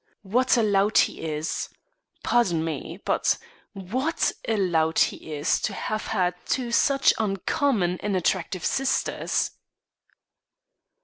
What a lout he is! Pardon me, but what a lout he is to have had two such uncommon and attractive sisters."